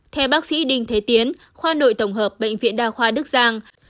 theo bác sĩ đinh thế tiến khoa nội tổng hợp bệnh viện đa khoa đức giang